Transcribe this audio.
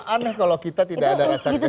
aneh kalau kita tidak ada rasa kecewa